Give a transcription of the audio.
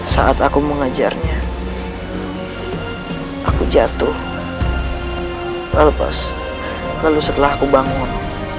saat aku mengajarnya aku jatuh lepas lalu setelah aku bangun